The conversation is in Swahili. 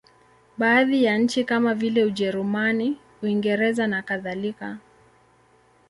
Baadhi ya nchi kama vile Ujerumani, Uingereza nakadhalika.